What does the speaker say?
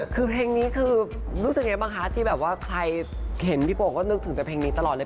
คือเพลงนี้คือรู้สึกยังไงบ้างคะที่แบบว่าใครเห็นพี่โปก็นึกถึงแต่เพลงนี้ตลอดเลย